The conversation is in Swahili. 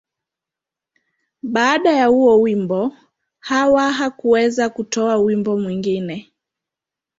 Baada ya huo wimbo, Hawa hakuweza kutoa wimbo mwingine.